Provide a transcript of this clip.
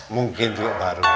mungkin tuh baru